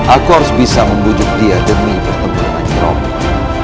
aku harus bisa membujuk dia demi pertempuran nyerompak